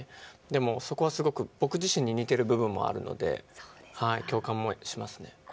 でも、そこはすごく僕自身に似ている部分もあるので共感もしますね。